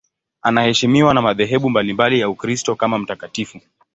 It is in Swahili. Anaheshimiwa na madhehebu mbalimbali ya Ukristo kama mtakatifu.